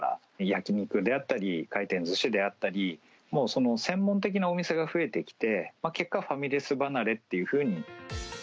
焼き肉であったり、回転ずしであったり、もう、専門的なお店が増えてきて、結果、ファミレス離れというふうに。